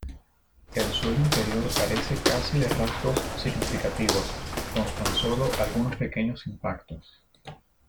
El suelo interior carece casi de rasgos significativos, con tan solo algunos pequeños impactos.